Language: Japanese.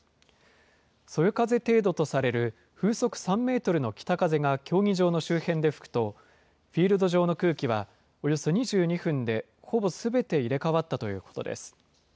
そよ風程度とされる風速３メートルの北風が競技場の周辺で吹くと、フィールド上の空気はおよそ２２分でほぼすべて入れ代わったということです。